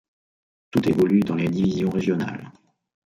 Toutes évoluent dans les divisions régionales.